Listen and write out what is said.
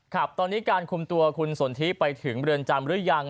ครับตอนนี้การคุมตัวคุณสนทิไปถึงเรือนจำหรือยัง